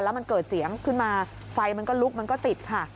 แล้วมันเกิดเสียงขึ้นมาไฟมันก็ลุกมันก็ติดค่ะ